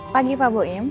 pagi pak buim